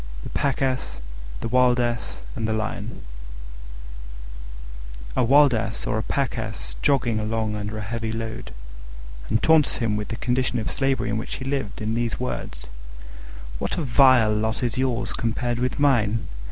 THE PACK ASS, THE WILD ASS, AND THE LION A Wild Ass saw a Pack Ass jogging along under a heavy load, and taunted him with the condition of slavery in which he lived, in these words: "What a vile lot is yours compared with mine!